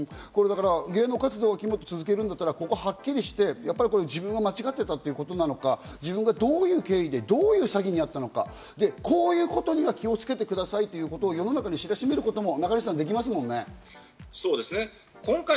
芸能活動を続けるんだったら、はっきりして自分が間違ってたってことなのか、自分がどういう経緯でどういう詐欺にあったのか、こういうことには気をつけてくださいっていうのを世の中に知らしめることもできますもんね。